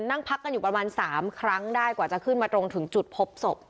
นั่งพักกันอยู่ประมาณ๓ครั้งได้กว่าจะขึ้นมาตรงถึงจุดพบศพ